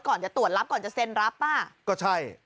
ก่อนจะตรวจรับก่อนจะเซ็นรับป่ะก็ใช่